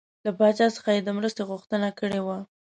له پاچا څخه یې د مرستو غوښتنه کړې وه.